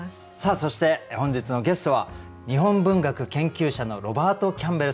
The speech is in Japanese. そして本日のゲストは日本文学研究者のロバート・キャンベルさんです。